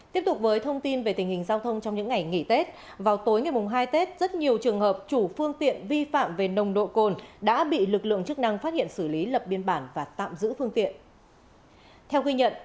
tiếp tục với thông tin về tình hình giao thông trong những ngày nghỉ tết vào tối ngày hai tết rất nhiều trường hợp chủ phương tiện vi phạm về nồng độ cồn đã bị lực lượng chức năng phát hiện xử lý lập biên bản và tạm giữ phương tiện